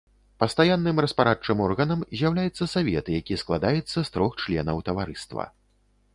Пастаянным распарадчым органам з'яўляецца савет, які складаецца з трох членаў таварыства.